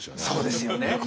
そうですよね。